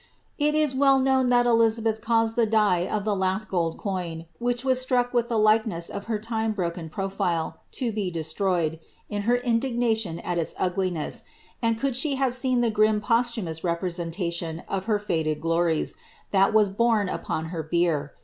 It is well known that Eliiabeih caused the die of the lasi gold foin, that was struck with the likeness of her lime broken profile, to be de stroyed, in her indignation at its ugliness, and could she have seen the grim posthiunous representation of her faded glories, that was bcrat upon her bier.